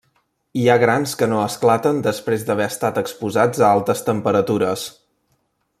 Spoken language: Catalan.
Hi ha grans que no esclaten després d'haver estat exposats a altes temperatures.